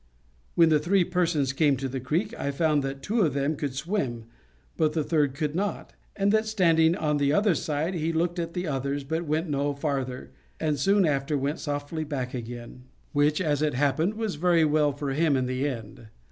When the three persons came to the creek, I found that two of them could swim, but the third could not, and that, standing on the other side, he looked at the others, but went no farther, and soon after went softly back again; which, as it happened, was very well for him in the end.